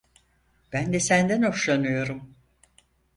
Ben de senden hoşlanıyorum.